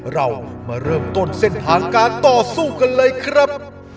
เรามาเริ่มต้นเส้นทางการต่อสู้กันเลยครับ